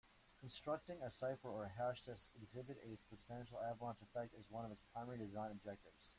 Constructing a cipher or hash to exhibit a substantial avalanche effect is one of its primary design objectives.